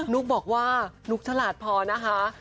ุ๊กบอกว่านุ๊กฉลาดพอนะคะ